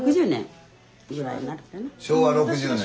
昭和６０年。